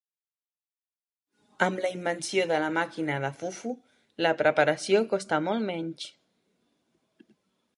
Amb la invenció de la màquina de fufu, la preparació costa molt menys.